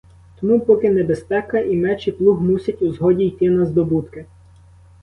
Тому поки небезпека, і меч, і плуг мусять у згоді йти на здобутки.